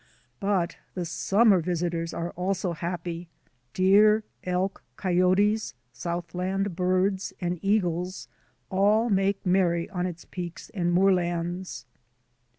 But the summer visitors are also happy: deer, elk, coyotes, southland birds, and eagles all make merry on its peaks and moor lands.